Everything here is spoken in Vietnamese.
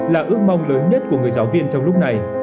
là ước mong lớn nhất của người giáo viên trong lúc này